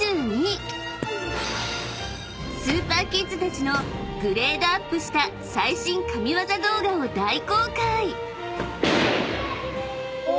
［スーパーキッズたちのグレードアップした最新神ワザ動画を大公開！］